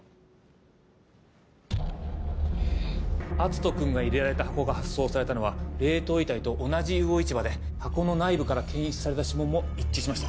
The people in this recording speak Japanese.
篤斗君が入れられた箱が発送されたのは冷凍遺体と同じ魚市場で箱の内部から検出された指紋も一致しました。